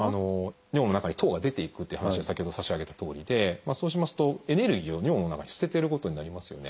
尿の中に糖が出ていくっていう話を先ほど差し上げたとおりでそうしますとエネルギーを尿の中に捨ててることになりますよね。